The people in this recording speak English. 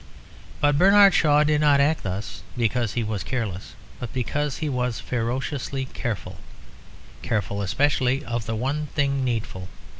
But Bernard Shaw did not act thus because he was careless, but because he was ferociously careful, careful especially of the one thing needful.